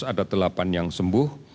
ada delapan yang sembuh